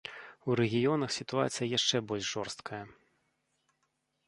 У рэгіёнах сітуацыя яшчэ больш жорсткая.